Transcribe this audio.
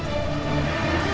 jangan pak landung